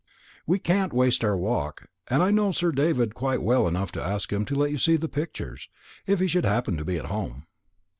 We can't waste our walk, and I know Sir David quite well enough to ask him to let you see the pictures, if he should happen to be at home."